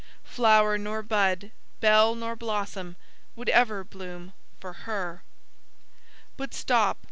Flower nor bud, bell nor blossom, would ever bloom for her. But stop.